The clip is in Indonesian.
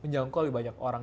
menjangkau lebih banyak orang